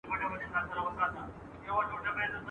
بس په زړه کي یې کراري اندېښنې سوې !.